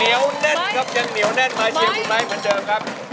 แน่นครับยังเหนียวแน่นมาเชียร์คุณไม้เหมือนเดิมครับ